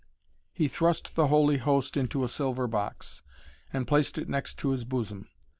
He thrust the Holy Host into a silver box, and placed it next to his bosom.